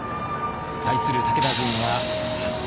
対する武田軍は８千。